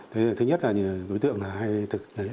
thứ nhất là đối tượng hay thực hiện